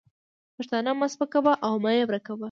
پښتانه مه سپکوه او مه یې ورکوه.